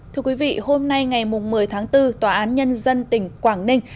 thưa quý vị hôm nay ngày một mươi tháng bốn tòa án nhân dân tỉnh quảng ninh